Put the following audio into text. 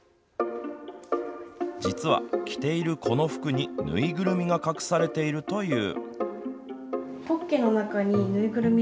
実は着ているこの服に縫いぐるみが隠されているという。